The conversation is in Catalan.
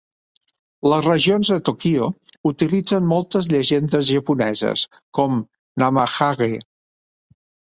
Les regions de Tokyo utilitzen moltes llegendes japoneses, com Namahage.